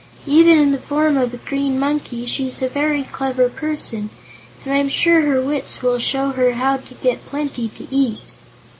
"Even in the form of a Green Monkey, she's a very clever person, and I'm sure her wits will show her how to get plenty to eat."